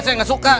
saya gak suka